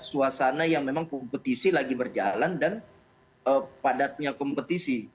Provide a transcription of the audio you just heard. suasana yang memang kompetisi lagi berjalan dan padatnya kompetisi